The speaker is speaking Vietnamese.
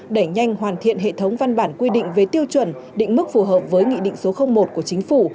đẩy nhanh hoàn thiện hệ thống văn bản quy định về tiêu chuẩn định mức phù hợp với nghị định số một của chính phủ